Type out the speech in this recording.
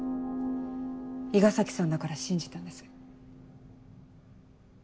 伊賀崎さんだから信じたんです。